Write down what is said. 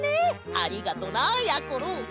ありがとなやころ！